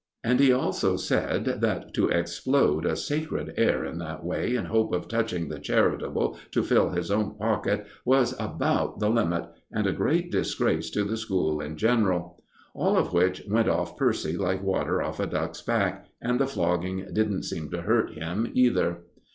And he also said that to explode a sacred air in that way in hope of touching the charitable to fill his own pocket was about the limit, and a great disgrace to the school in general. All of which went off Percy like water off a duck's back, and the flogging didn't seem to hurt him either.